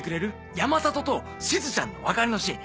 山里としずちゃんの別れのシーン